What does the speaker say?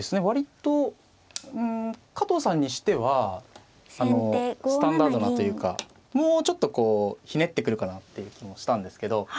割とうん加藤さんにしてはスタンダードなというかもうちょっとこうひねってくるかなっていう気もしたんですけど。